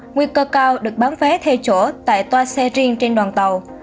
nguy cơ cao được bán vé theo chỗ tại toa xe riêng trên đoàn tàu